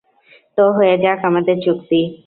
তো, হয়ে যাক আমাদের চুক্তি?